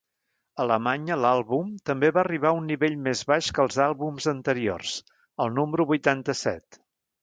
A Alemanya l'àlbum també va arribar a un nivell més baix que els àlbums anteriors, al número vuitanta-set.